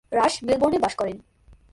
রাশ মেলবোর্নে বাস করেন।